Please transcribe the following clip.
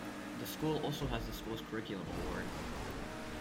The school also has the Schools Curriculum Award.